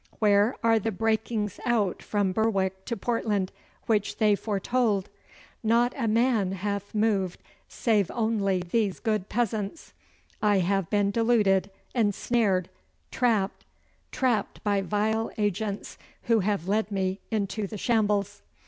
Where are the breakings out from Berwick to Portland which they foretold? Not a man hath moved save only these good peasants. I have been deluded, ensnared, trapped trapped by vile agents who have led me into the shambles.